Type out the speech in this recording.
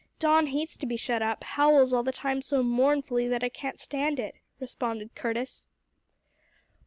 "Don hates to be shut up, howls all the time so mournfully that I can't stand it," responded Curtis.